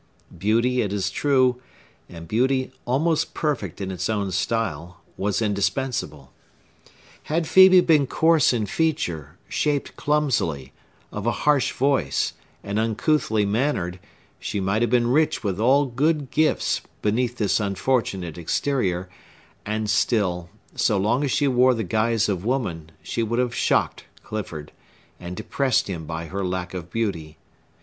Beauty, it is true, and beauty almost perfect in its own style, was indispensable. Had Phœbe been coarse in feature, shaped clumsily, of a harsh voice, and uncouthly mannered, she might have been rich with all good gifts, beneath this unfortunate exterior, and still, so long as she wore the guise of woman, she would have shocked Clifford, and depressed him by her lack of beauty.